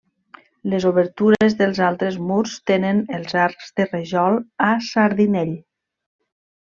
Les obertures dels altres murs tenen els arcs de rajol a sardinell.